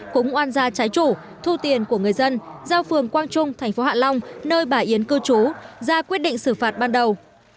cũng oan ra trái chủ thu tiền của người dân giao phường quang trung tp hạ long nơi bà yến cư trú ra quyết định xử phạt ban đầu